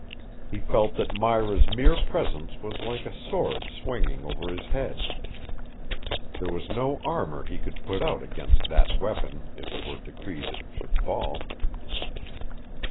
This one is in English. He felt that Myra's mere presence was like a sword swinging over his head. There was no armor he could put on against that weapon if it were decreed it should fall.